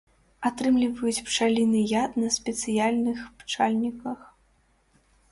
Атрымліваюць пчаліны яд на спецыяльных пчальніках.